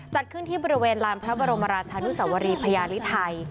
จัดขึ้นที่บริเวณลานพระบรมราชานุสวรีพญาริไทย